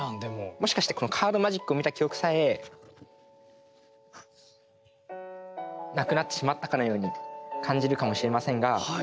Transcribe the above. もしかしてこのカードマジックを見た記憶さえなくなってしまったかのように感じるかもしれませんが。